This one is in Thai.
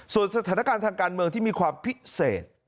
ส่วนสถานการณ์ทางการเมืองที่มีความพิเศษ